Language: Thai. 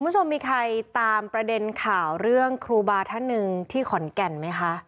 คุณผู้ชมมีใครตามประเด็นข่าวเรื่องครูบาท่านหนึ่งที่ขอนแก่นไหมคะ